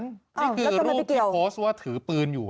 นี่คือรูปโพสต์ว่าถือปืนอยู่